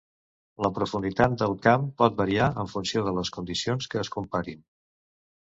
La profunditat del camp pot variar en funció de les condicions que es comparin.